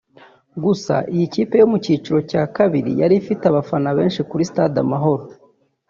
Gusa iyi kipe yo mu cyiciro cya kabiri yari ifite abafana benshi muri Stade Amahoro